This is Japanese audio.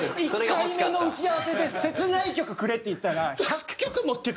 １回目の打ち合わせで「切ない曲くれ」って言ったら。